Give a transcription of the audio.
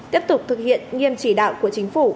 tiếp tục thực hiện nghiêm chỉ đạo của chính phủ